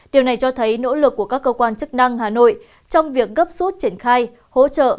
điều này cho thấy nỗ lực của các cơ quan chức năng hà nội trong việc gấp suốt triển khai hỗ trợ